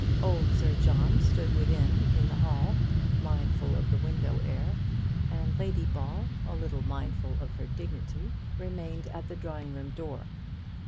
Old Sir John stood within, in the hall, mindful of the window air, and Lady Ball, a little mindful of her dignity, remained at the drawing room door.